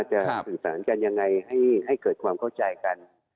สื่อสารกันยังไงให้เกิดความเข้าใจกัน